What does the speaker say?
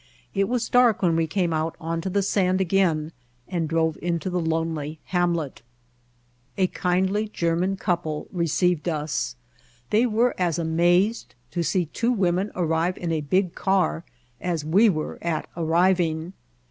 It was dark when we came out onto the sand again and drove into the lonely haflilet. A kindly German couple received us. They were as amazed to see two women arrive in a big car as we were at arriving.